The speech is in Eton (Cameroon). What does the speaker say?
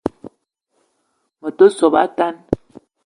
Me te so a tan